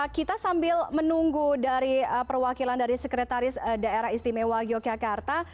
kita sambil menunggu dari perwakilan dari sekretaris daerah istimewa yogyakarta